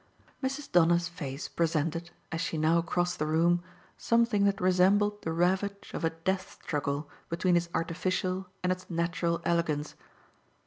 Mrs. Donner's face presented, as she now crossed the room, something that resembled the ravage of a death struggle between its artificial and its natural elegance.